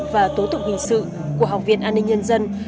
và tố tục hình sự của học viên an ninh nhân dân